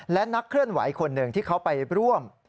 และนักเคลื่อนไหวคนหนึ่งที่เขาไปร่วม